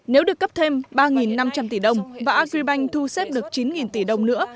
nếu được cấp thêm ba năm trăm linh tỷ đồng và agribank thu xếp được chín tỷ đồng nữa